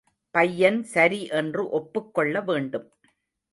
பையன் சரி என்று ஒப்புக் கொள்ளவேண்டும்.